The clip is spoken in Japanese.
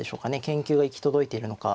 研究が行き届いているのか。